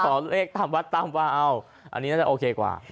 ขอเลขตามวัดตามวาเอาอันนี้น่าจะโอเคกว่า